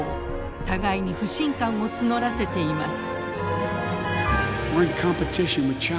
互いに不信感を募らせています。